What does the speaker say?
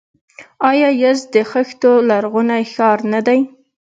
آیا یزد د خښتو لرغونی ښار نه دی؟